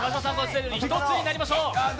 １つになりましょう。